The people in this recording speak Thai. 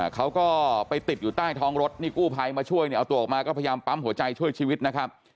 เขาก็ไปติดอยู่ใต้ท้องรถนี่กู้ภัยมาช่วยเนี่ยเอาตัวออกมาก็พยายามปั๊มหัวใจช่วยชีวิตนะครับ